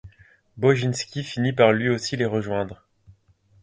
Boginski finit par lui aussi les rejoindre.